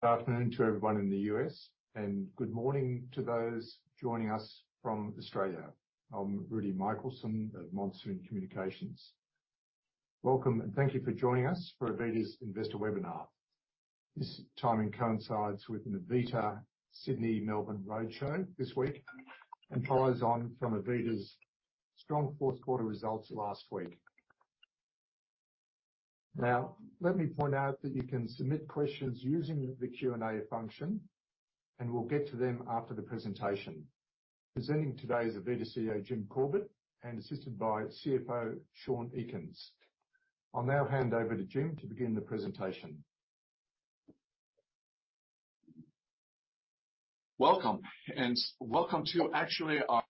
Good afternoon to everyone in the US and good morning to those joining us from Australia. I'm Rudi Michelson of Monsoon Communications. Welcome and thank you for joining us for AVITA's Investor Webinar. This timing coincides with an AVITA Sydney, Melbourne roadshow this week, and follows on from AVITA's strong Q4 results last week. Let me point out that you can submit questions using the Q&A function, and we'll get to them after the presentation. Presenting today is AVITA CEO, Jim Corbett, and assisted by CFO Sean Ekins. I'll now hand over to Jim to begin the presentation. Welcome, and welcome to actually our.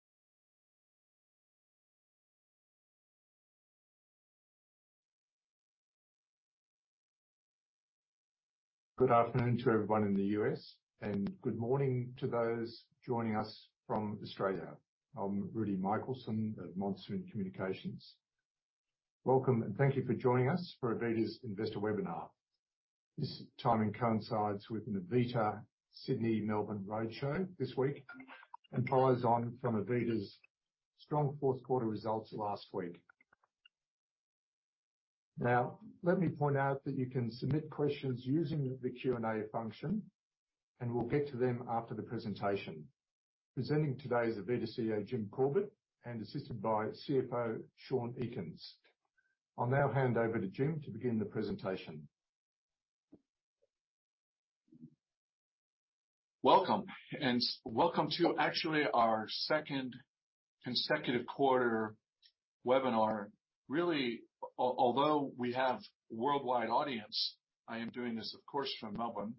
Good afternoon to everyone in the US and good morning to those joining us from Australia. I'm Rudi Michelson of Monsoon Communications. Welcome and thank you for joining us for AVITA's Investor Webinar. This timing coincides with an AVITA Sydney, Melbourne roadshow this week, and follows on from AVITA's strong Q4 results last week. Let me point out that you can submit questions using the Q&A function, and we'll get to them after the presentation. Presenting today is AVITA CEO, Jim Corbett, and assisted by CFO Sean Ekins. I'll now hand over to Jim to begin the presentation. Welcome, welcome to actually our second consecutive quarter webinar. Really, although we have worldwide audience, I am doing this, of course, from Melbourne,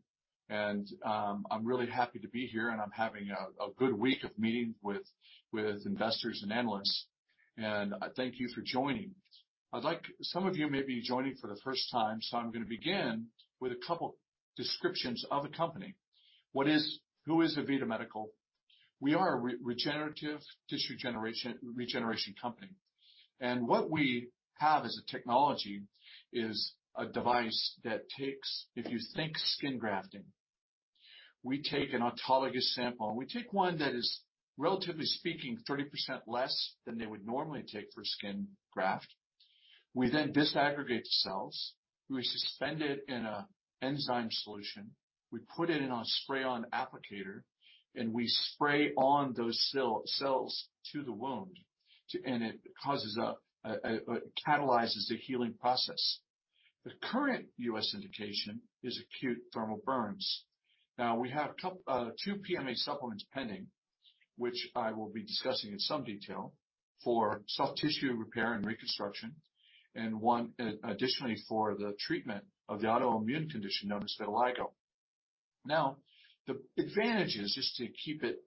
and I'm really happy to be here, and I'm having a good week of meeting with investors and analysts. Thank you for joining. Some of you may be joining for the first time, so I'm going to begin with a couple descriptions of the company. Who is AVITA Medical? We are a regenerative tissue regeneration company. What we have as a technology is a device that takes, if you think skin grafting, we take an autologous sample. We take one that is, relatively speaking, 30% less than they would normally take for a skin graft. We then disaggregate the cells. We suspend it in a enzyme solution. We put it in our spray-on applicator. We spray on those cells to the wound. It catalyzes the healing process. The current US indication is acute thermal burns. We have two PMA supplements pending, which I will be discussing in some detail, for soft tissue repair and reconstruction, one additionally for the treatment of the autoimmune condition known as vitiligo. The advantage is, just to keep it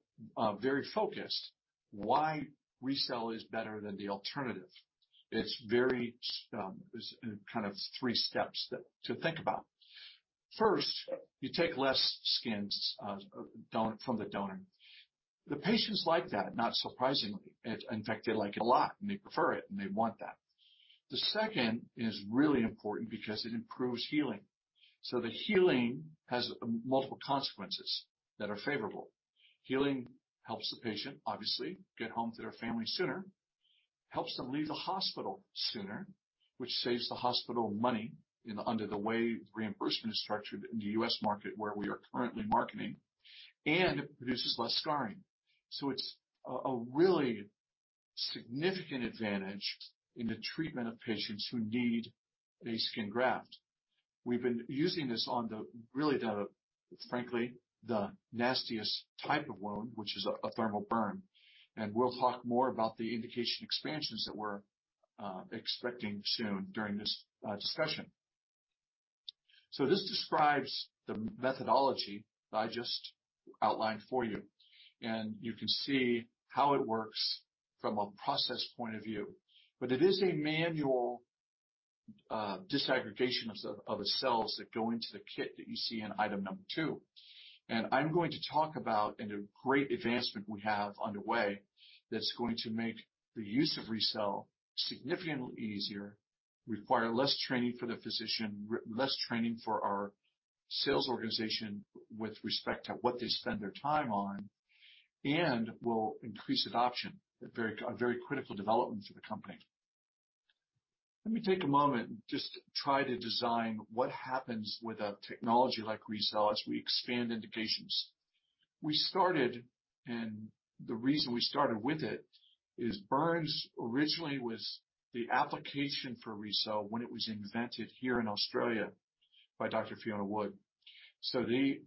very focused, why RECELL is better than the alternative. It's very kind of three steps to think about. First, you take less skins, donor, from the donor. The patients like that, not surprisingly. In fact, they like it a lot. They prefer it, and they want that. The second is really important because it improves healing. The healing has multiple consequences that are favorable. Healing helps the patient, obviously, get home to their family sooner, helps them leave the hospital sooner, which saves the hospital money under the way reimbursement is structured in the US market where we are currently marketing. It produces less scarring. It's a really significant advantage in the treatment of patients who need a skin graft. We've been using this on the, really the, frankly, the nastiest type of wound, which is a thermal burn. We'll talk more about the indication expansions that we're expecting soon during this discussion. This describes the methodology that I just outlined for you, and you can see how it works from a process point of view. It is a manual disaggregation of the cells that go into the kit that you see in item number two. I'm going to talk about a great advancement we have underway, that's going to make the use of RECELL significantly easier, require less training for the physician, less training for our sales organization with respect to what they spend their time on, and will increase adoption. A very critical development for the company. Let me take a moment and just try to design what happens with a technology like RECELL as we expand indications. We started, and the reason we started with it, is burns originally was the application for RECELL when it was invented here in Australia by Dr. Fiona Wood. The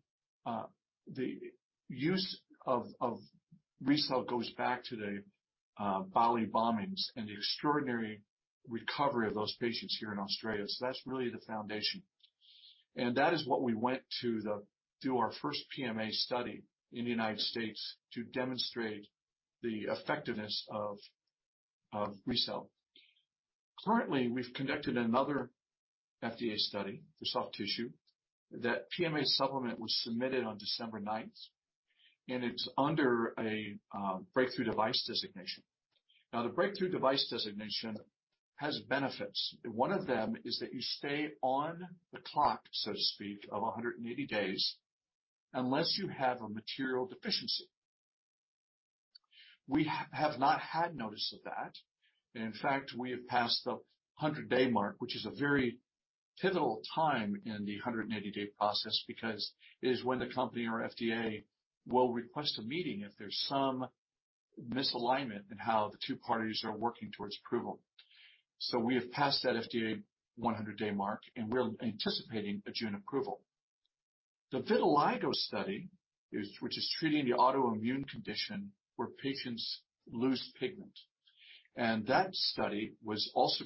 use of RECELL goes back to the Bali bombings and the extraordinary recovery of those patients here in Australia. That's really the foundation. That is what we went to do our first PMA study in the United States to demonstrate the effectiveness of RECELL. Currently, we've conducted another FDA study for soft tissue. That PMA supplement was submitted on December 9th. It's under a breakthrough device designation. Now, the breakthrough device designation has benefits. One of them is that you stay on the clock, so to speak, of 180 days unless you have a material deficiency. We have not had notice of that. In fact, we have passed the 100-day mark, which is a very pivotal time in the 180-day process because it is when the company or FDA will request a meeting if there's some misalignment in how the two parties are working towards approval. We have passed that FDA 100-day mark, and we're anticipating a June approval. The vitiligo study which is treating the autoimmune condition where patients lose pigment. That study was also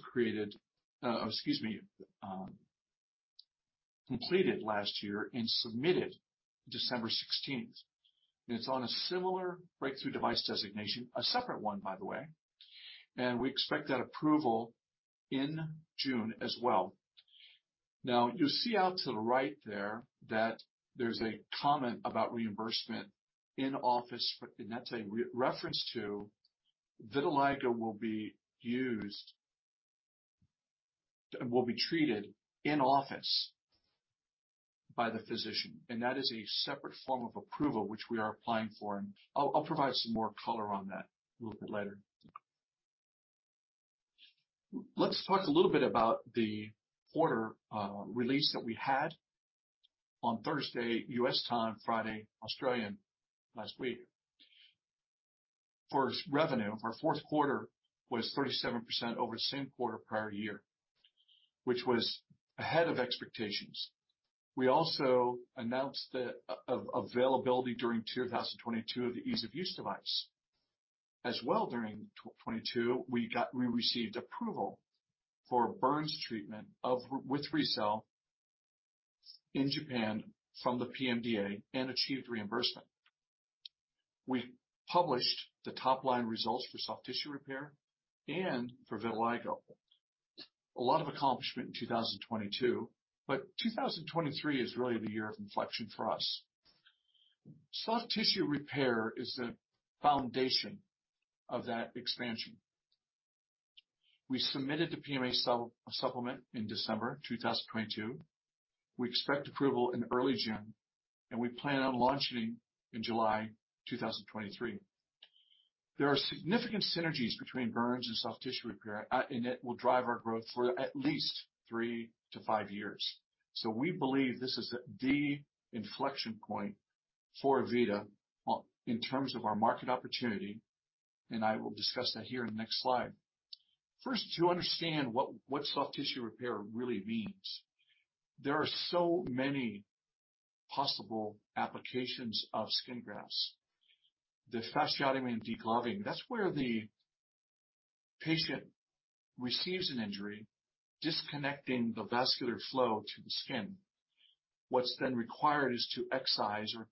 completed last year and submitted December 16th. It's on a similar Breakthrough Device designation, a separate one, by the way, and we expect that approval in June as well. You'll see out to the right there that there's a comment about reimbursement in office, and that's a re-reference to vitiligo will be treated in office by the physician, and that is a separate form of approval, which we are applying for, and I'll provide some more color on that a little bit later. Let's talk a little bit about the quarter release that we had on Thursday, US time, Friday, Australian, last week. First, revenue for our Q4 was 37% over the same quarter prior year, which was ahead of expectations. We also announced the availability during 2022 of the ease-of-use device. During 2022, we received approval for burns treatment with RECELL in Japan from the PMDA and achieved reimbursement. We published the top-line results for soft tissue repair and for vitiligo. A lot of accomplishment in 2022, 2023 is really the year of inflection for us. Soft tissue repair is the foundation of that expansion. We submitted the PMA supplement in December 2022. We expect approval in early June, and we plan on launching in July 2023. There are significant synergies between burns and soft tissue repair, and it will drive our growth for at least three to five years. We believe this is the inflection point for AVITA Medical in terms of our market opportunity, and I will discuss that here in the next slide. To understand what soft tissue repair really means. There are so many possible applications of skin grafts. The fasciotomy and degloving, that's where the patient receives an injury, disconnecting the vascular flow to the skin. What's required is to excise or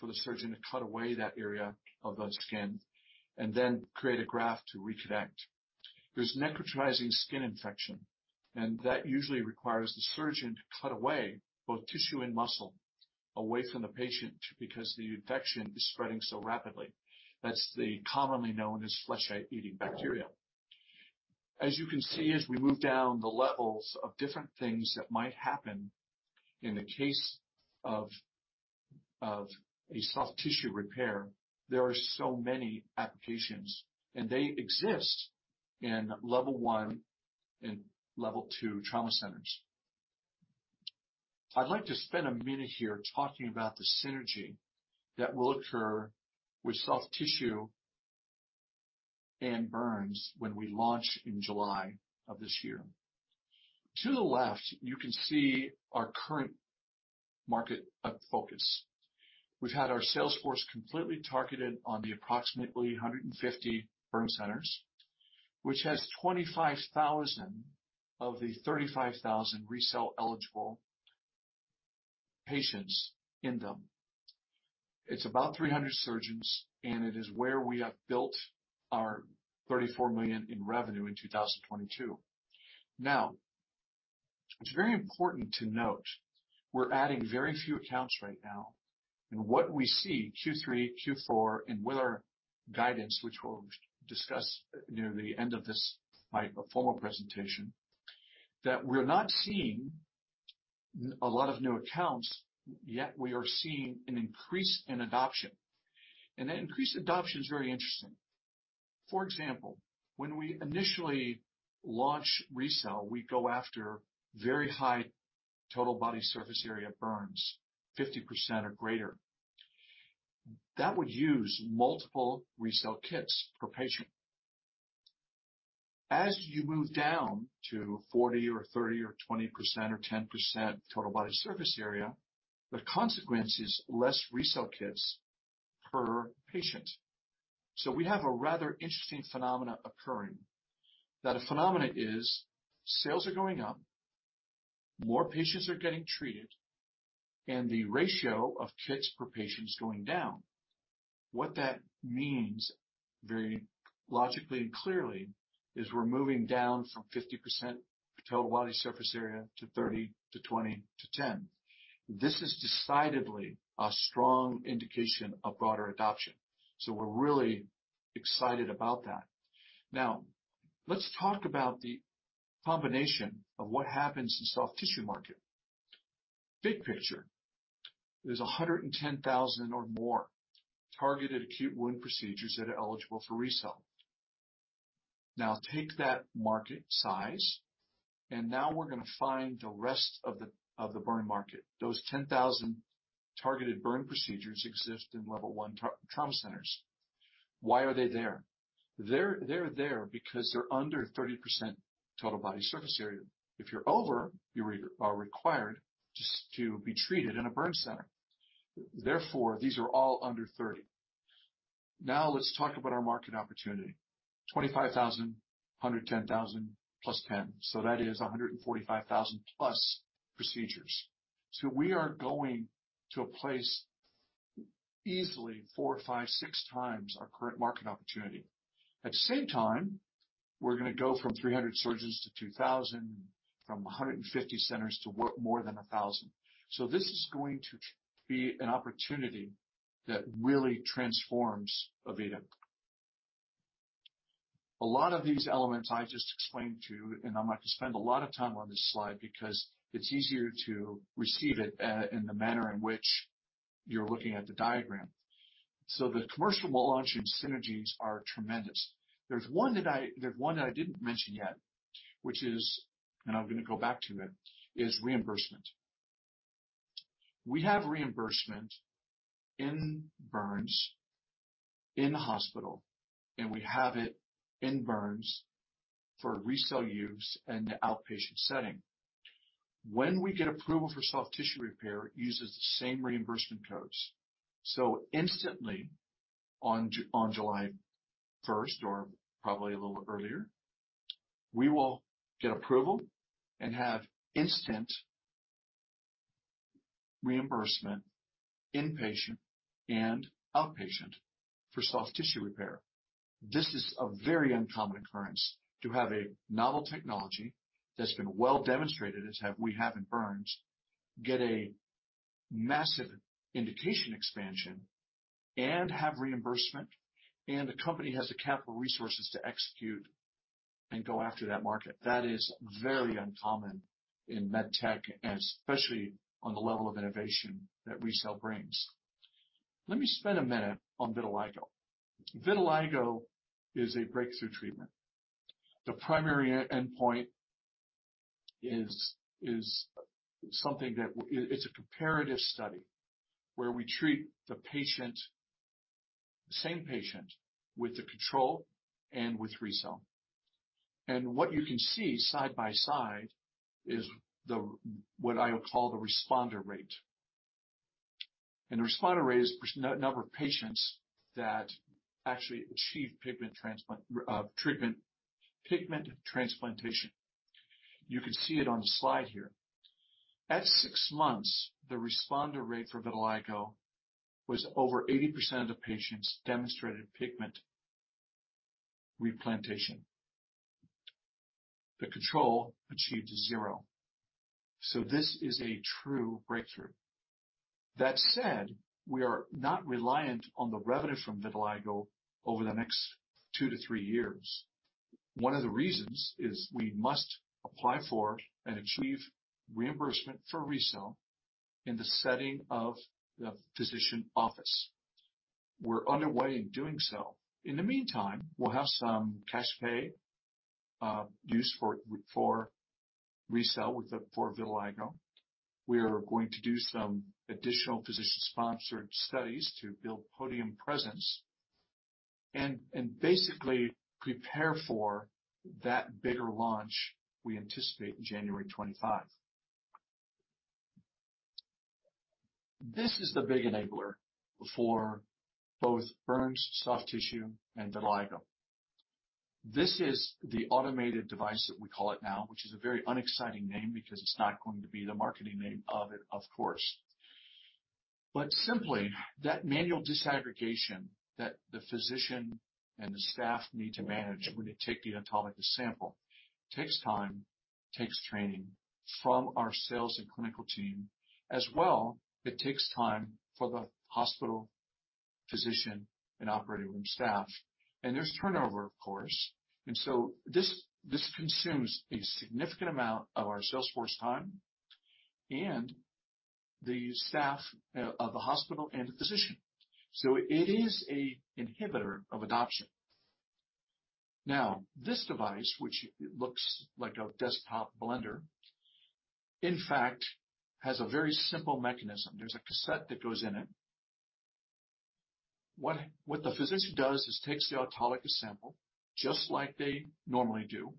for the surgeon to cut away that area of the skin and then create a graft to reconnect. Necrotizing skin infection, and that usually requires the surgeon to cut away both tissue and muscle away from the patient because the infection is spreading so rapidly. That's the commonly known as flesh-eating bacteria. As you can see, as we move down the levels of different things that might happen in the case of a soft tissue repair, there are so many applications. They exist in level one and level two trauma centers. I'd like to spend a minute here talking about the synergy that will occur with soft tissue and burns when we launch in July of this year. To the left, you can see our current market focus. We've had our sales force completely targeted on the approximately 150 burn centers, which has 25,000 of the 35,000 RECELL-eligible patients in them. It's about 300 surgeons. It is where we have built our $34 million in revenue in 2022. It's very important to note we're adding very few accounts right now. What we see, Q3, Q4, and with our guidance, which we'll discuss near the end of this, my formal presentation, that we're not seeing a lot of new accounts, yet we are seeing an increase in adoption. That increased adoption is very interesting. For example, when we initially launch RECELL, we go after very high Total Body Surface Area burns, 50% or greater. That would use multiple RECELL kits per patient. As you move down to 40% or 30% or 20% or 10% Total Body Surface Area, the consequence is less RECELL kits per patient. We have a rather interesting phenomena occurring. That phenomena is sales are going up, more patients are getting treated, and the ratio of kits per patient is going down. What that means very logically and clearly is we're moving down from 50% Total Body Surface Area to 30 to 20 to 10. This is decidedly a strong indication of broader adoption. We're really excited about that. Let's talk about the combination of what happens in soft tissue market. Big picture, there's 110,000 or more targeted acute wound procedures that are eligible for RECELL. Take that market size, and now we're going to find the rest of the burn market. Those 10,000 targeted burn procedures exist in level one trauma centers. Why are they there? They're there because they're under 30% Total Body Surface Area. If you're over, you are required just to be treated in a burn center. These are all under 30. Let's talk about our market opportunity. 25,000, 110,000 plus 10. That is 145,000 plus procedures. We are going to a place easily 4x, 5x, 6x our current market opportunity. At the same time, we're going to go from 300 surgeons to 2,000, from 150 centers to well, more than 1,000. This is going to be an opportunity that really transforms AVITA. A lot of these elements I just explained to you, I'm not going to spend a lot of time on this slide because it's easier to receive it in the manner in which you're looking at the diagram. The commercial launch and synergies are tremendous. There's one that I didn't mention yet, which is, and I'm going to go back to it, is reimbursement. We have reimbursement in burns in the hospital. We have it in burns for RECELL use in the outpatient setting. When we get approval for soft tissue repair, it uses the same reimbursement codes. Instantly on July first, or probably a little earlier, we will get approval and have instant reimbursement, inpatient and outpatient for soft tissue repair. This is a very uncommon occurrence to have a novel technology that's been well demonstrated, as we have in burns, get a massive indication expansion and have reimbursement. The company has the capital resources to execute and go after that market. That is very uncommon in medtech. Especially on the level of innovation that RECELL brings. Let me spend a minute on vitiligo. Vitiligo is a breakthrough treatment. The primary e-endpoint is something that it's a comparative study where we treat the patient, the same patient with the control and with RECELL. What you can see side by side is the, what I would call the responder rate. The responder rate is number of patients that actually achieve pigment treatment, pigment transplantation. You can see it on the slide here. At six months, the responder rate for vitiligo was over 80% of patients demonstrated pigment replantation. The control achieved zero. This is a true breakthrough. That said, we are not reliant on the revenue from vitiligo over the next two to three years. One of the reasons is we must apply for and achieve reimbursement for RECELL in the setting of the physician office. We're underway in doing so. In the meantime, we'll have some cash pay use for RECELL for vitiligo. We are going to do some additional physician-sponsored studies to build podium presence and basically prepare for that bigger launch we anticipate in January 25. This is the big enabler for both burns, soft tissue, and vitiligo. This is the automated device that we call it now, which is a very unexciting name because it's not going to be the marketing name of it, of course. Simply, that manual disaggregation that the physician and the staff need to manage when they take the autologous sample takes time, takes training from our sales and clinical team. As well, it takes time for the hospital physician and operating room staff. There's turnover, of course. This consumes a significant amount of our sales force time and the staff of the hospital and the physician. It is a inhibitor of adoption. This device, which looks like a desktop blender, in fact, has a very simple mechanism. There's a cassette that goes in it. What the physician does is takes the autologous sample just like they normally do,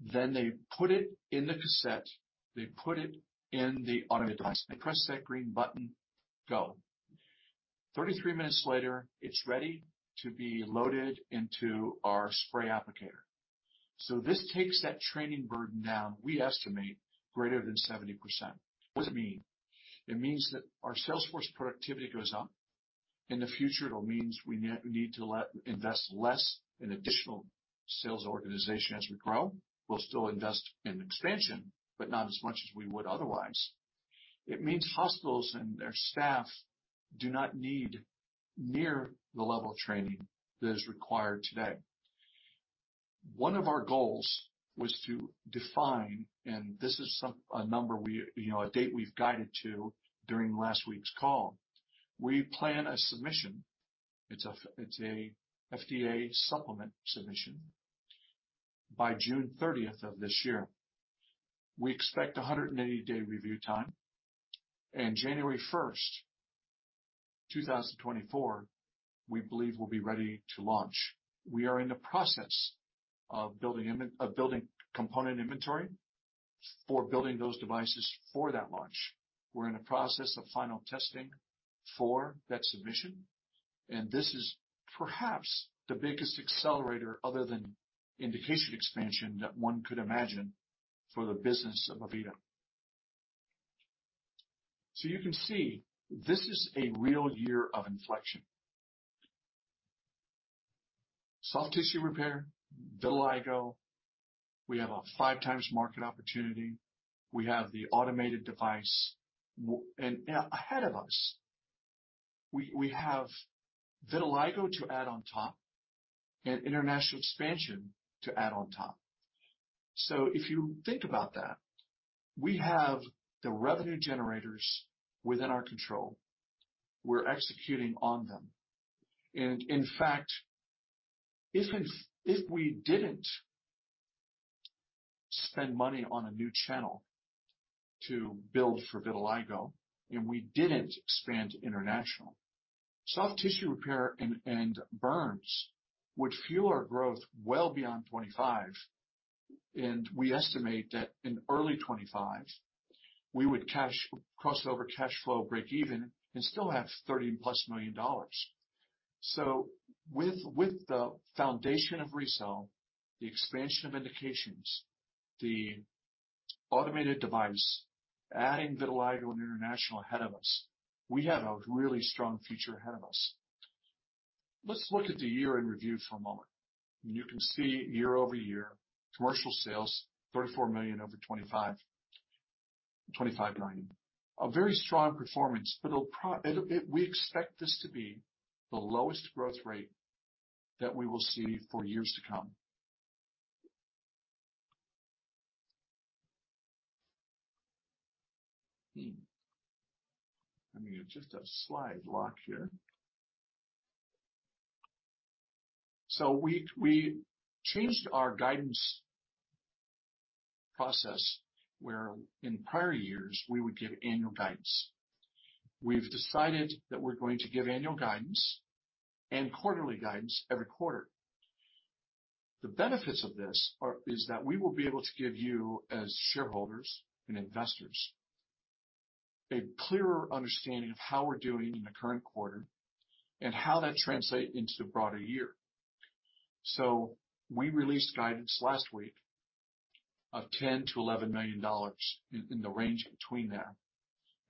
they put it in the cassette, they put it in the auto device. They press that green button, go. 33 minutes later, it's ready to be loaded into our spray applicator. This takes that training burden down, we estimate greater than 70%. What does it mean? It means that our sales force productivity goes up. In the future, it'll means we need to invest less in additional sales organization as we grow. We'll still invest in expansion, but not as much as we would otherwise. It means hospitals and their staff do not need near the level of training that is required today. One of our goals was to define, this is a number we, you know, a date we've guided to during last week's call. We plan a submission. It's a FDA supplement submission by June 30th of this year. We expect a 180-day review time. January 1, 2024, we believe we'll be ready to launch. We are in the process of building component inventory for building those devices for that launch. We're in the process of final testing for that submission, this is perhaps the biggest accelerator other than indication expansion that one could imagine for the business of AVITA. You can see, this is a real year of inflection. Soft tissue repair, vitiligo, we have a 5x market opportunity. We have the automated device. Ahead of us, we have vitiligo to add on top and international expansion to add on top. If you think about that, we have the revenue generators within our control. We're executing on them. In fact, if we didn't spend money on a new channel to build for vitiligo, and we didn't expand international, soft tissue repair and burns would fuel our growth well beyond 2025. We estimate that in early 2025, we would cross over cash flow break even and still have $30+ million. With the foundation of RECELL, the expansion of indications, the automated device, adding vitiligo and international ahead of us, we have a really strong future ahead of us. Let's look at the year in review for a moment. You can see year-over-year commercial sales, $34 million over $25 million. A very strong performance, but We expect this to be the lowest growth rate that we will see for years to come. Hmm. I mean, it's just a slide lock here. We changed our guidance process, where in prior years, we would give annual guidance. We've decided that we're going to give annual guidance and quarterly guidance every quarter. The benefits of this is that we will be able to give you, as shareholders and investors, a clearer understanding of how we're doing in the current quarter and how that translate into the broader year. We released guidance last week of $10 million-$11 million, in the range between there,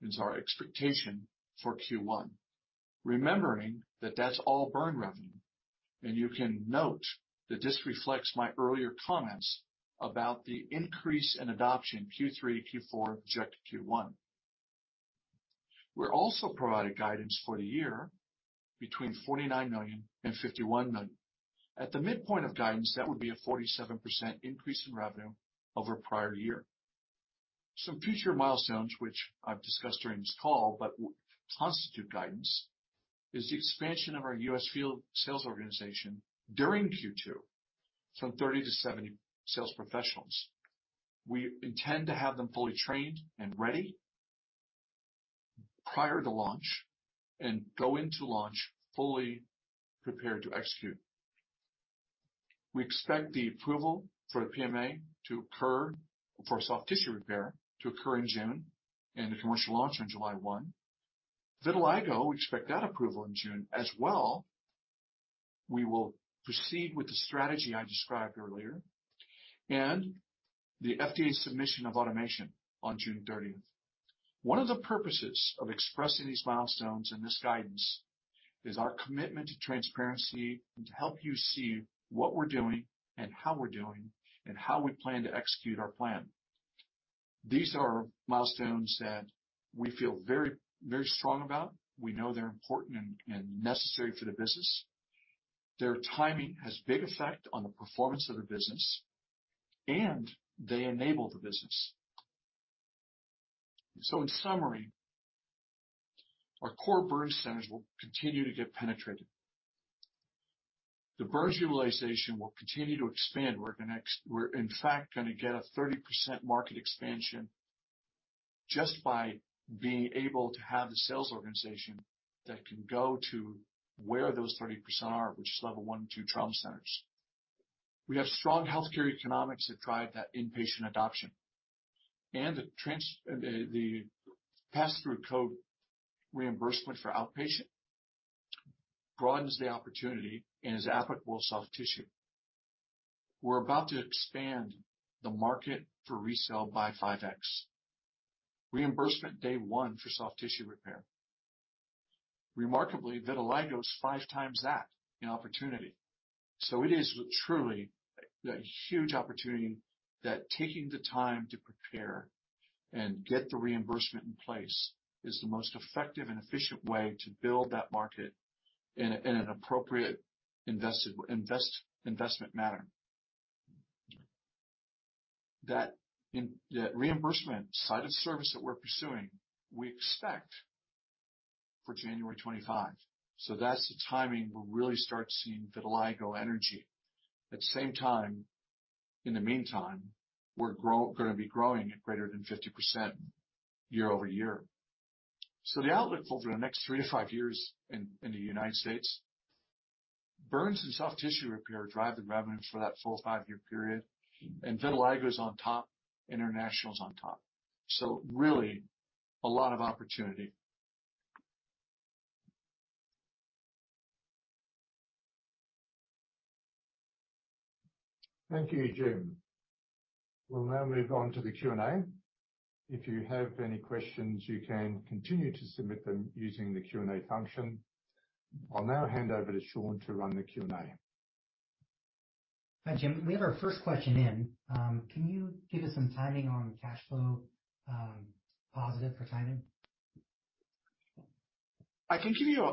is our expectation for Q1. Remembering that that's all burn revenue, and you can note that this reflects my earlier comments about the increase in adoption, Q3, Q4 into Q1. We're also providing guidance for the year between $49 million and $51 million. At the midpoint of guidance, that would be a 47% increase in revenue over prior year. Some future milestones, which I've discussed during this call, but constitute guidance, is the expansion of our US field sales organization during Q2 from 30 to 70 sales professionals. We intend to have them fully trained and ready prior to launch and go into launch fully prepared to execute. We expect the approval for the PMA to occur for soft tissue repair to occur in June and the commercial launch on July 1. Vitiligo, we expect that approval in June as well. We will proceed with the strategy I described earlier. The FDA submission of automation on June 30th. One of the purposes of expressing these milestones and this guidance is our commitment to transparency and to help you see what we're doing and how we're doing and how we plan to execute our plan. These are milestones that we feel very strong about. We know they're important and necessary for the business. Their timing has big effect on the performance of the business, and they enable the business. In summary, our core burn centers will continue to get penetrated. The burns utilization will continue to expand. We're in fact, going to get a 30% market expansion just by being able to have the sales organization that can go to where those 30% are, which is level 1 and 2 trauma centers. We have strong healthcare economics that drive that inpatient adoption. The pass-through code reimbursement for outpatient broadens the opportunity and is applicable to soft tissue. We're about to expand the market for RECELL by 5x. Reimbursement day 1 for soft tissue repair. Remarkably, vitiligo is 5x that in opportunity. It is truly a huge opportunity that taking the time to prepare and get the reimbursement in place is the most effective and efficient way to build that market in an appropriate investment manner. That reimbursement side of service that we're pursuing, we expect for January 25. That's the timing we'll really start seeing vitiligo energy. At the same time, in the meantime, we're going to be growing at greater than 50% year-over-year. The outlook for the next three to five years in the United States, burns and soft tissue repair drive the revenue for that full five year period. Vitiligo is on top, international is on top. Really a lot of opportunity. Thank you, Jim. We'll now move on to the Q&A. If you have any questions, you can continue to submit them using the Q&A function. I'll now hand over to Sean to run the Q&A. Hi, Jim. We have our first question in, can you give us some timing on cash flow positive for timing? I can give you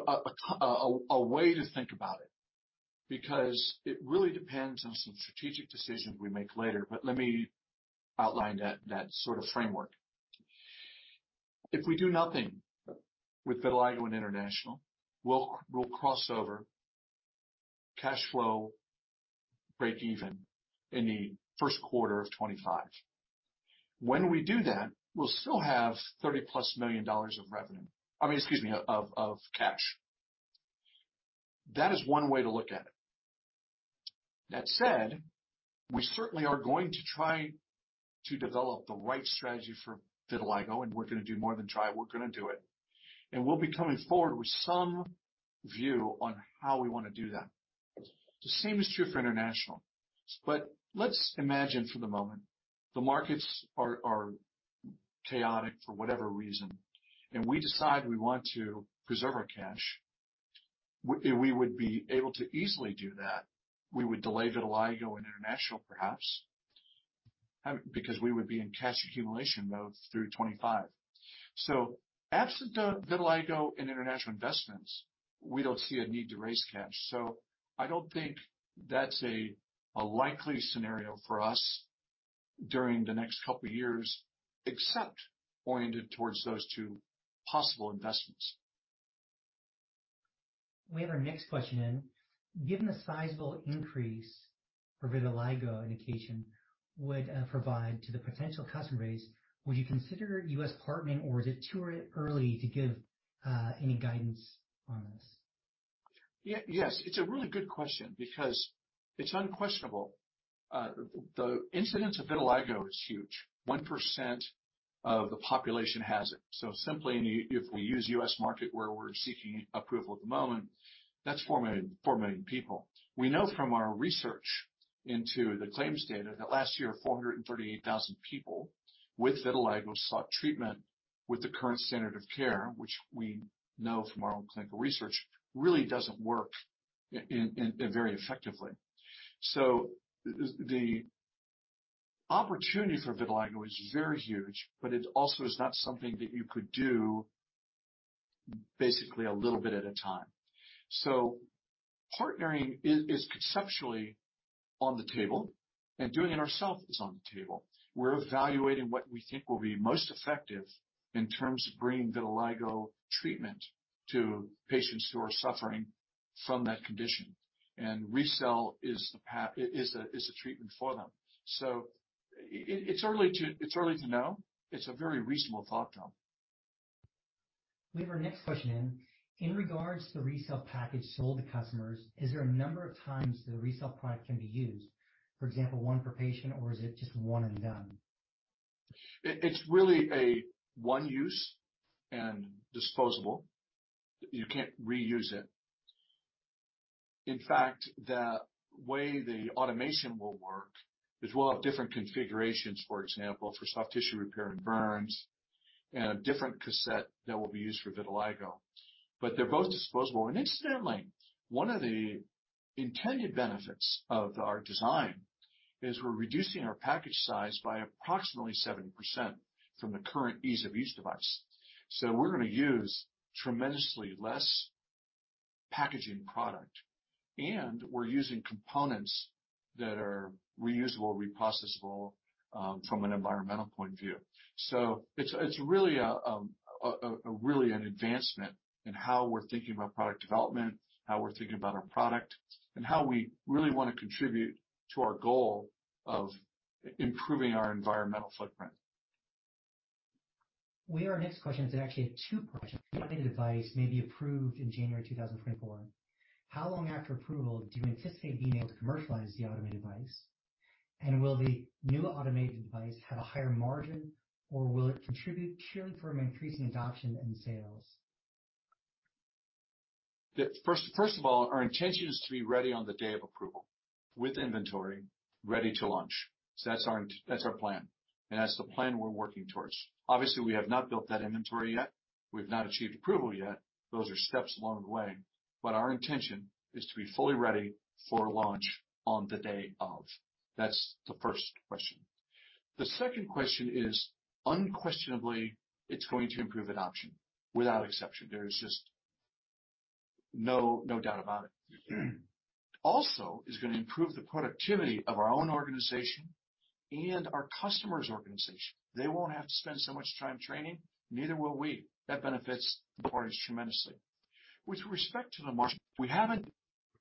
a way to think about it because it really depends on some strategic decisions we make later. Let me outline that sort of framework. If we do nothing with vitiligo and international, we'll cross over cash flow breakeven in the first quarter of 2025. When we do that, we'll still have $30+ million of revenue. I mean, excuse me, of cash. That is one way to look at it. That said, we certainly are going to try to develop the right strategy for vitiligo, and we're going to do more than try. We're going to do it. We'll be coming forward with some view on how we want to do that. The same is true for international. Let's imagine for the moment the markets are chaotic for whatever reason, and we decide we want to preserve our cash. We would be able to easily do that. We would delay vitiligo and international, perhaps, because we would be in cash accumulation mode through 25. Absent the vitiligo and international investments, we don't see a need to raise cash. I don't think that's a likely scenario for us during the next couple of years, except oriented towards those two possible investments. We have our next question in. Given the sizable increase for vitiligo indication would provide to the potential customer base, would you consider US partnering or is it too early to give any guidance on this? Yes, it's a really good question because it's unquestionable. The incidence of vitiligo is huge. 1% of the population has it. Simply, if we use US market where we're seeking approval at the moment, that's 4 million people. We know from our research into the claims data that last year, 438,000 people with vitiligo sought treatment with the current standard of care, which we know from our own clinical research really doesn't work in very effectively. The opportunity for vitiligo is very huge, but it also is not something that you could do basically a little bit at a time. Partnering is conceptually on the table and doing it ourselves is on the table. We're evaluating what we think will be most effective in terms of bringing vitiligo treatment to patients who are suffering from that condition. RECELL is the treatment for them. It's early to know. It's a very reasonable thought, Tom. We have our next question in. In regards to the RECELL package sold to customers, is there a number of times the RECELL product can be used, for example, one per patient, or is it just one and done? It's really a one use and disposable. You can't reuse it. In fact, the way the automation will work is we'll have different configurations, for example, for soft tissue repair and burns and a different cassette that will be used for vitiligo. They're both disposable. Incidentally, one of the intended benefits of our design is we're reducing our package size by approximately 70% from the current ease of use device. We're going to use tremendously less packaging product, and we're using components that are reusable, reprocessors from an environmental point of view. It's really a really an advancement in how we're thinking about product development, how we're thinking about our product, and how we really want to contribute to our goal of improving our environmental footprint. We have our next question. It's actually two questions. The RECELL GO may be approved in January 2024. How long after approval do you anticipate being able to commercialize the RECELL GO? Will the new RECELL GO have a higher margin, or will it contribute purely from increasing adoption and sales? First of all, our intention is to be ready on the day of approval with inventory ready to launch. That's our plan, and that's the plan we're working towards. Obviously, we have not built that inventory yet. We've not achieved approval yet. Those are steps along the way, but our intention is to be fully ready for launch on the day of. That's the first question. The second question is, unquestionably, it's going to improve adoption without exception. There is just no doubt about it. It's going to improve the productivity of our own organization and our customer's organization. They won't have to spend so much time training, neither will we. That benefits the parties tremendously. With respect to the margin, we haven't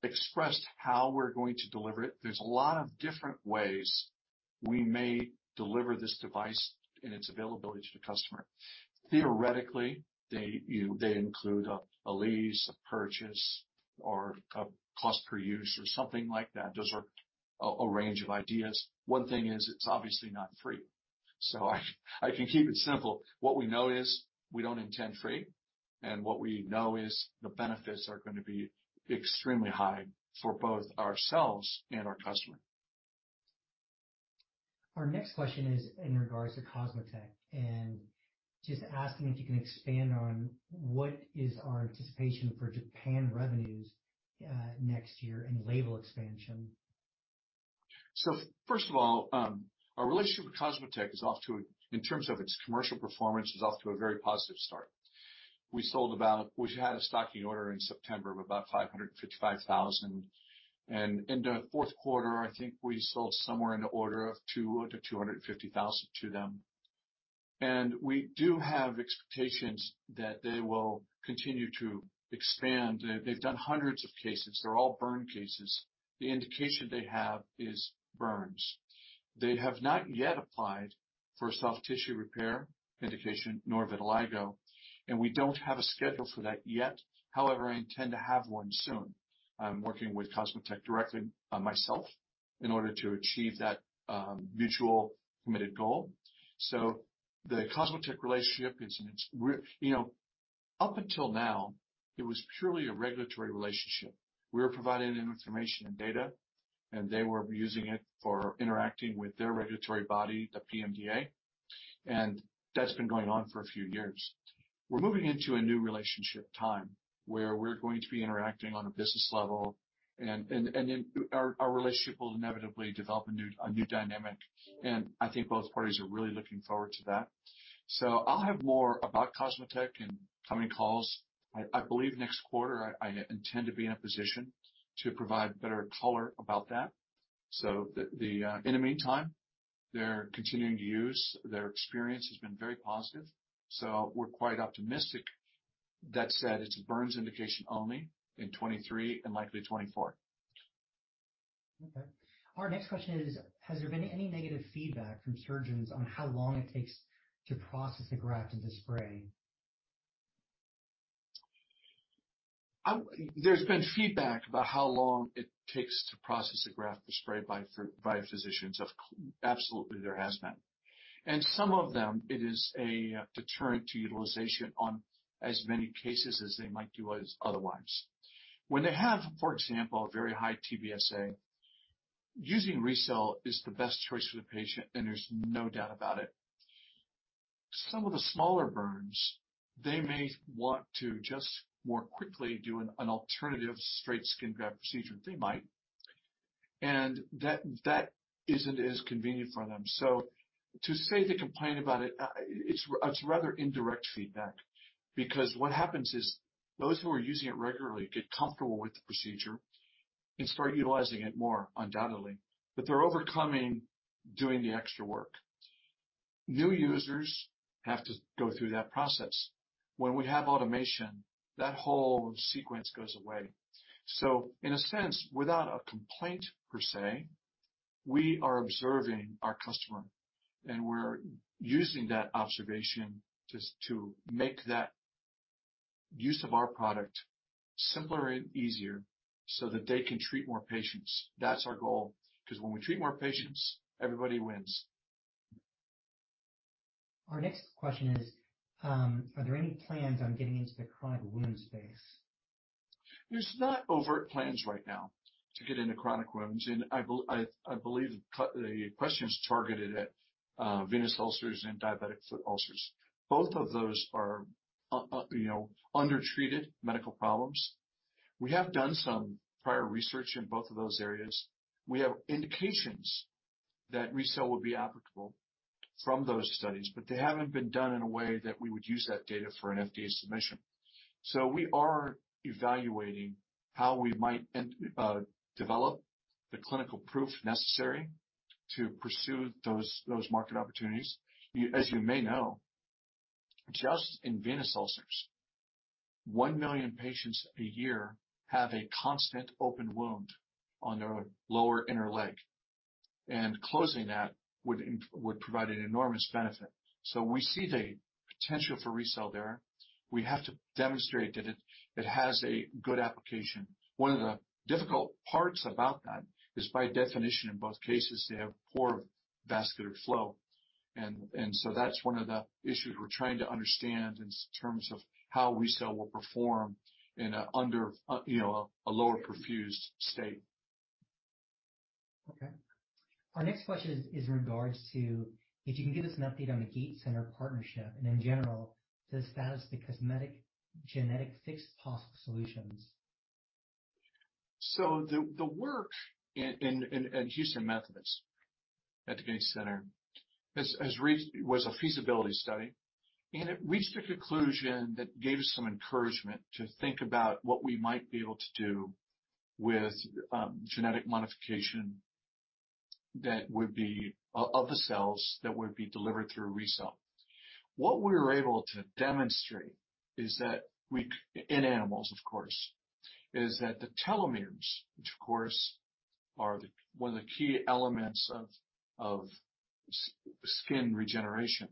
expressed how we're going to deliver it. There's a lot of different ways we may deliver this device in its availability to the customer. Theoretically, they include a lease, a purchase, or a cost per use or something like that. Those are a range of ideas. One thing is it's obviously not free. I can keep it simple. What we know is we don't intend free, and what we know is the benefits are going to be extremely high for both ourselves and our customer. Our next question is in regards to COSMOTEC, and just asking if you can expand on what is our anticipation for Japan revenues, next year and label expansion? First of all, our relationship with in terms of its commercial performance, is off to a very positive start. We had a stocking order in September of about $555,000. In the Q4, I think we sold somewhere in the order of $200,000-$250,000 to them. We do have expectations that they will continue to expand. They've done hundreds of cases. They're all burn cases. The indication they have is burns. They have not yet applied for soft tissue repair indication nor vitiligo, and we don't have a schedule for that yet. However, I intend to have one soon. I'm working with COSMOTEC directly myself in order to achieve that mutual committed goal. The COSMOTEC relationship is, you know, up until now, it was purely a regulatory relationship. We were providing them information and data, and they were using it for interacting with their regulatory body, the PMDA, and that's been going on for a few years. We're moving into a new relationship time where we're going to be interacting on a business level, and then our relationship will inevitably develop a new dynamic, and I think both parties are really looking forward to that. I'll have more about COSMOTEC in coming calls. I believe next quarter I intend to be in a position to provide better color about that. In the meantime, they're continuing to use. Their experience has been very positive, so we're quite optimistic. That said, it's a burns indication only in 2023 and likely 2024. Our next question is, has there been any negative feedback from surgeons on how long it takes to process a graft into spray? There's been feedback about how long it takes to process a graft to spray by physicians. Absolutely, there has been. Some of them, it is a deterrent to utilization on as many cases as they might do as otherwise. When they have, for example, a very high TBSA, using RECELL is the best choice for the patient, and there's no doubt about it. Some of the smaller burns, they may want to just more quickly do an alternative straight skin graft procedure. They might. That isn't as convenient for them. To say they complain about it's rather indirect feedback because what happens is those who are using it regularly get comfortable with the procedure and start utilizing it more, undoubtedly, but they're overcoming doing the extra work. New users have to go through that process. When we have automation, that whole sequence goes away. In a sense, without a complaint per se, we are observing our customer, and we're using that observation just to make that use of our product simpler and easier so that they can treat more patients. That's our goal because when we treat more patients, everybody wins. Our next question is, are there any plans on getting into the chronic wound space? There's not overt plans right now to get into chronic wounds, and I believe the question is targeted at venous ulcers and diabetic foot ulcers. Both of those are, you know, undertreated medical problems. We have done some prior research in both of those areas. We have indications that RECELL would be applicable from those studies, but they haven't been done in a way that we would use that data for an FDA submission. We are evaluating how we might develop the clinical proof necessary to pursue those market opportunities. As you may know, just in venous ulcers, 1 million patients a year have a constant open wound on their lower inner leg, and closing that would provide an enormous benefit. We see the potential for RECELL there, we have to demonstrate that it has a good application. One of the difficult parts about that is, by definition, in both cases, they have poor vascular flow. That's one of the issues we're trying to understand in terms of how RECELL will perform in a under, you know, a lower perfused state. Our next question is in regards to if you can give us an update on the Gates Center partnership and in general, the status of the cosmetic genetic fixed POS solutions? The work in Houston Methodist at the Gates Center was a feasibility study, and it reached a conclusion that gave us some encouragement to think about what we might be able to do with genetic modification that would be of the cells that would be delivered through RECELL. What we were able to demonstrate is that in animals, of course, is that the telomeres, which of course are one of the key elements of skin regeneration.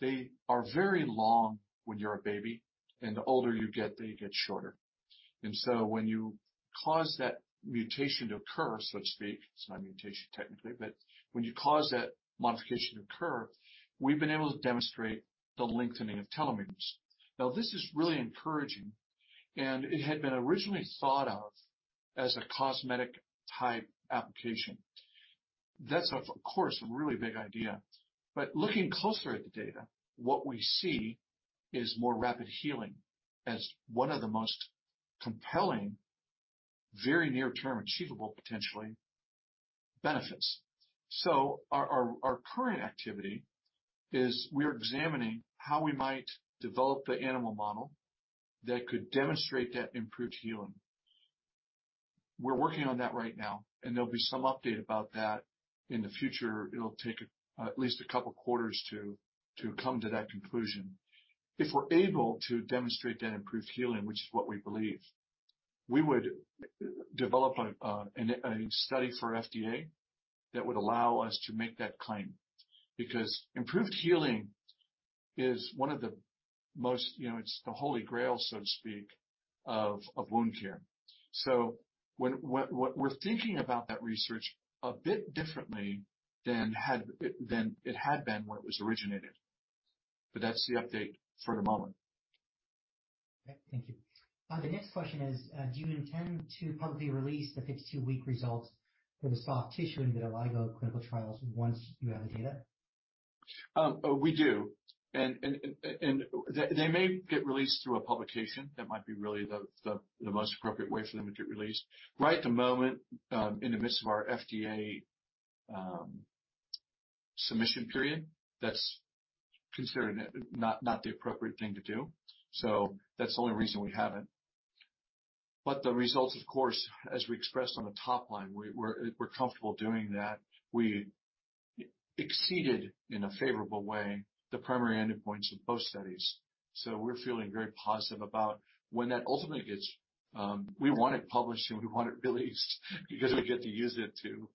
They are very long when you're a baby, and the older you get, they get shorter. When you cause that mutation to occur, so to speak, it's not a mutation technically, but when you cause that modification to occur, we've been able to demonstrate the lengthening of telomeres. This is really encouraging, and it had been originally thought of as a cosmetic-type application. That's of course, a really big idea. Looking closer at the data, what we see is more rapid healing as one of the most compelling, very near-term, achievable, potentially benefits. Our current activity is we're examining how we might develop the animal model that could demonstrate that improved healing. We're working on that right now, and there'll be some update about that in the future. It'll take at least a couple of quarters to come to that conclusion. If we're able to demonstrate that improved healing, which is what we believe, we would develop a study for FDA that would allow us to make that claim. Improved healing is one of the most. You know, it's the holy grail, so to speak, of wound care. We're thinking about that research a bit differently than it had been when it was originated. That's the update for the moment. Okay. Thank you. The next question is, do you intend to publicly release the 52-week results for the soft tissue in the vitiligo clinical trials once you have the data? We do. They may get released through a publication. That might be really the most appropriate way for them to get released. Right at the moment, in the midst of our FDA submission period, that's considered not the appropriate thing to do. That's the only reason we haven't. The results, of course, as we expressed on the top line, we're comfortable doing that. We exceeded in a favorable way the primary endpoints of both studies. We're feeling very positive about when that ultimately gets. We want it published and we want it released because we get to use it to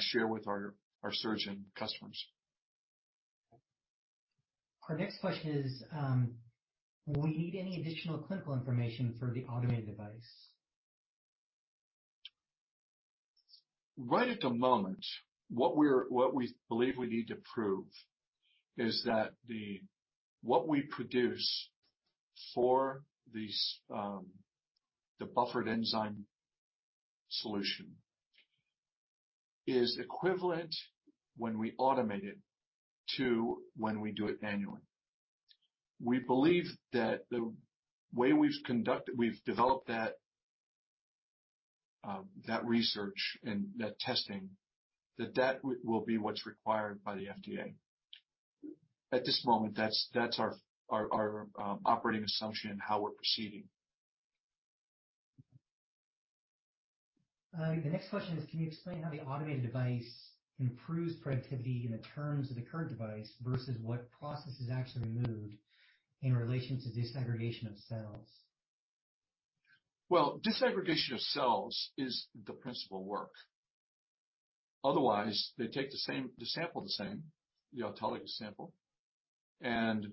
share with our surgeon customers. Our next question is, will we need any additional clinical information for the automated device? Right at the moment, what we believe we need to prove is that what we produce for these, the buffered enzyme solution is equivalent when we automate it to when we do it manually. We believe that the way we've developed that research and that testing, that will be what's required by the FDA. At this moment, that's our operating assumption and how we're proceeding. The next question is, can you explain how the automated device improves productivity in the terms of the current device versus what process is actually removed in relation to disaggregation of cells? Disaggregation of cells is the principal work. Otherwise, they take the sample the same, the autologous sample, and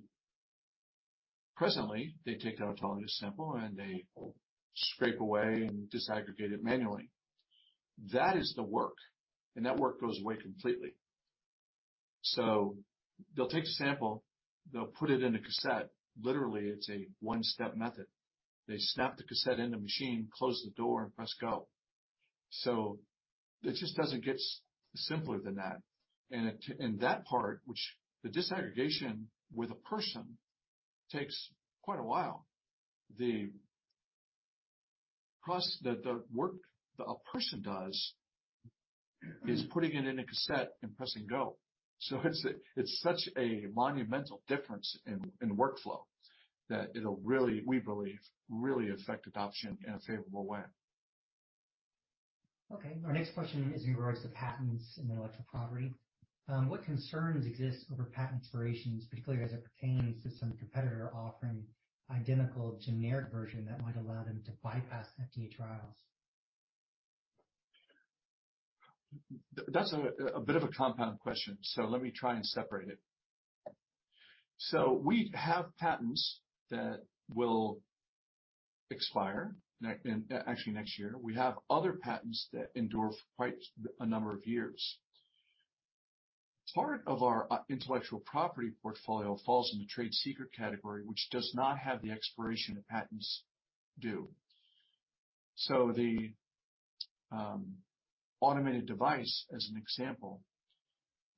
presently, they take that autologous sample, and they scrape away and disaggregate it manually. That is the work, and that work goes away completely. They'll take the sample, they'll put it in a cassette. Literally, it's a one-step method. They snap the cassette in the machine, close the door, and press go. It just doesn't get simpler than that. That part which the disaggregation with a person takes quite a while. The cost that the work a person does is putting it in a cassette and pressing go. It's such a monumental difference in the workflow that it'll really, we believe, really affect adoption in a favorable way. Okay. Our next question is in regards to patents and intellectual property. What concerns exist over patent expirations, particularly as it pertains to some competitor offering identical generic version that might allow them to bypass FDA trials? That's a bit of a compound question, so let me try and separate it. We have patents that will expire actually next year. We have other patents that endure for quite a number of years. Part of our intellectual property portfolio falls in the trade secret category, which does not have the expiration that patents do. The automated device, as an example,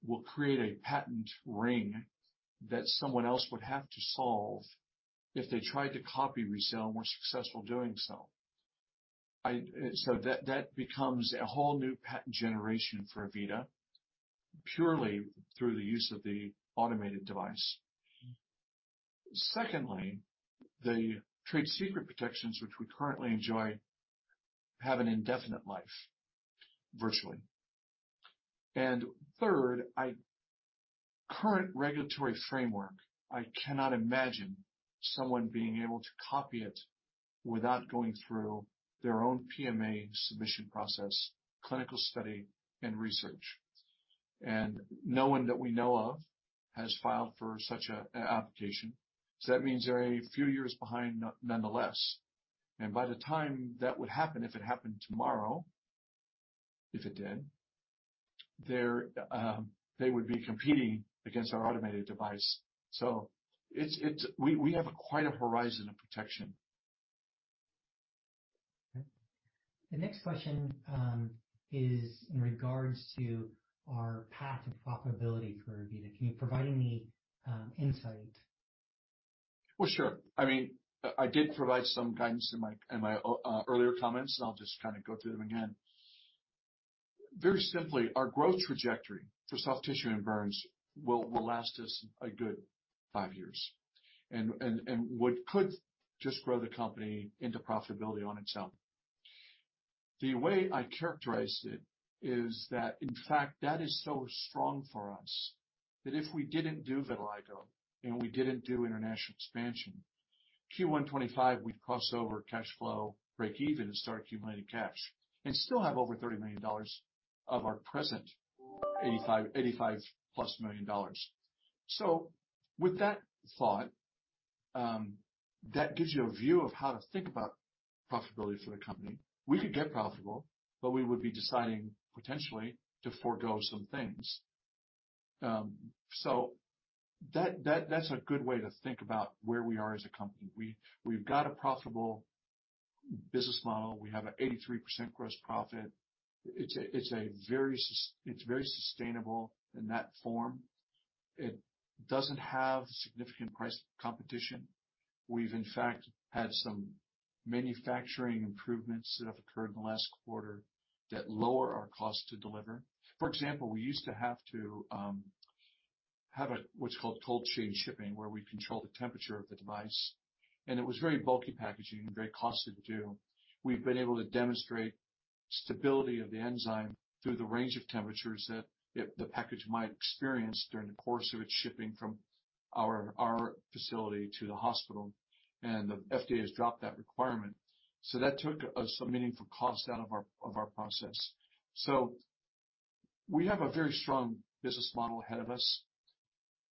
will create a patent ring that someone else would have to solve if they tried to copy RECELL and were successful doing so. That, that becomes a whole new patent generation for AVITA purely through the use of the automated device. Secondly, the trade secret protections which we currently enjoy have an indefinite life, virtually. Third, I. Current regulatory framework, I cannot imagine someone being able to copy it without going through their own PMA submission process, clinical study and research. No one that we know of has filed for such a application, so that means they're a few years behind nonetheless. By the time that would happen, if it happened tomorrow, if it did, they're, they would be competing against our automated device. We have a quite a horizon of protection. The next question is in regards to our path to profitability for AVITA Medical. Can you provide any insight? Well, sure. I mean, I did provide some guidance in my earlier comments, and I'll just kind of go through them again. Very simply, our growth trajectory for soft tissue and burns will last us a good five years and would, could just grow the company into profitability on its own. The way I characterized it is that, in fact, that is so strong for us that if we didn't do vitiligo and we didn't do international expansion, Q1 2025 we'd cross over cash flow, break even, and start accumulating cash and still have over $30 million of our present $85+ million. With that thought, that gives you a view of how to think about profitability for the company. We could get profitable. We would be deciding potentially to forgo some things. So that's a good way to think about where we are as a company. We've got a profitable business model. We have a 83% gross profit. It's a, it's very sustainable in that form. It doesn't have significant price competition. We've in fact had some manufacturing improvements that have occurred in the last quarter that lower our cost to deliver. For example, we used to have to have a what's called cold chain shipping, where we control the temperature of the device, and it was very bulky packaging and very costly to do. We've been able to demonstrate stability of the enzyme through the range of temperatures that the package might experience during the course of its shipping from our facility to the hospital, and the FDA has dropped that requirement. That took us some meaningful cost out of our process. We have a very strong business model ahead of us,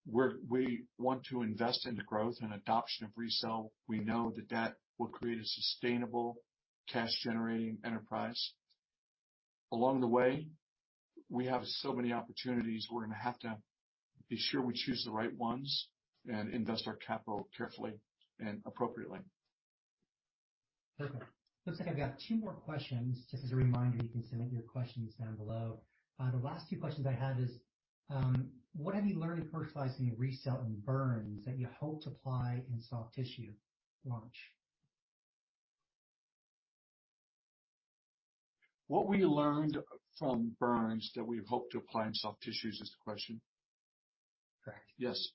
where we want to invest in the growth and adoption of RECELL. We know that that will create a sustainable cash-generating enterprise. Along the way, we have so many opportunities, we're going to have to be sure we choose the right ones and invest our capital carefully and appropriately. Perfect. Looks like I've got two more questions. Just as a reminder, you can submit your questions down below. The last two questions I have is, what have you learned in commercializing RECELL in burns that you hope to apply in soft tissue launch? What we learned from burns that we hope to apply in soft tissues is the question? Correct. Yes.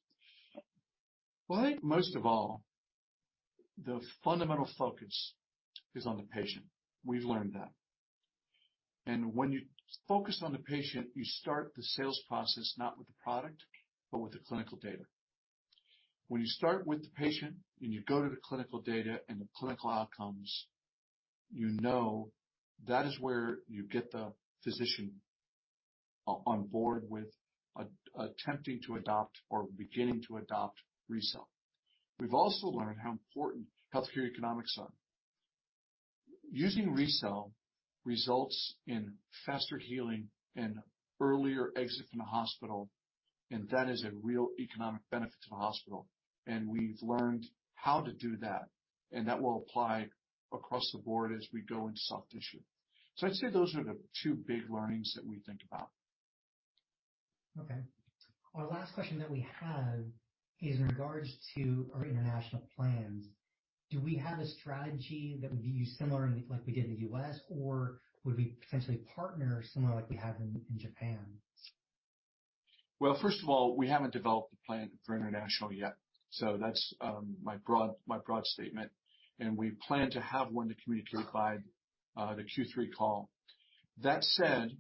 Well, I think most of all, the fundamental focus is on the patient. We've learned that. When you focus on the patient, you start the sales process not with the product but with the clinical data. When you start with the patient and you go to the clinical data and the clinical outcomes, you know that is where you get the physician on board with attempting to adopt or beginning to adopt RECELL. We've also learned how important healthcare economics are. Using RECELL results in faster healing and earlier exit from the hospital, and that is a real economic benefit to the hospital, and we've learned how to do that, and that will apply across the board as we go into soft tissue. I'd say those are the two big learnings that we think about. Okay. Our last question that we have is in regards to our international plans. Do we have a strategy that would be similar like we did in the US, or would we potentially partner similar like we have in Japan? First of all, we haven't developed a plan for international yet. That's my broad statement, and we plan to have one to communicate by the Q3 call. That said,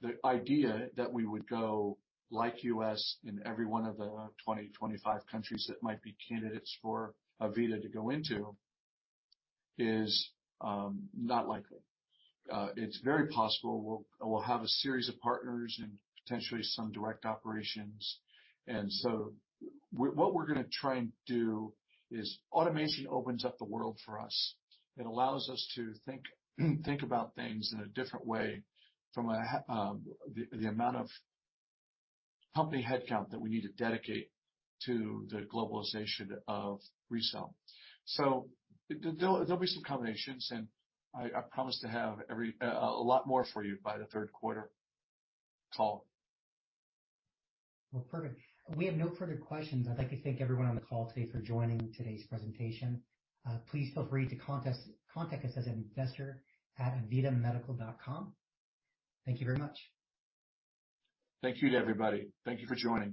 the idea that we would go like US in every one of the 20, 25 countries that might be candidates for AVITA to go into is not likely. It's very possible we'll have a series of partners and potentially some direct operations. What we're going to try and do is automation opens up the world for us. It allows us to think about things in a different way from the amount of company headcount that we need to dedicate to the globalization of RECELL. There'll be some combinations, and I promise to have a lot more for you by the Q3 call. Well, perfect. We have no further questions. I'd like to thank everyone on the call today for joining today's presentation. Please feel free to contact us as investor@avitamedical.com. Thank you very much. Thank you to everybody. Thank you for joining.